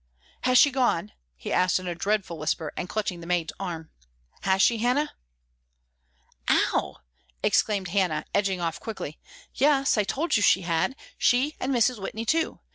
"Has she gone?" he asked in a dreadful whisper; and clutching the maid's arm, "has she, Hannah?" "Ow!" exclaimed Hannah, edging off quickly. "Yes, I told you she had; she and Mrs. Whitney, too.